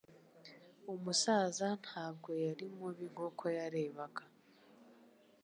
Umusaza ntabwo yari mubi nkuko yarebaga